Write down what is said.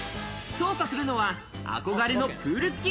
捜査するのは憧れのプール付き！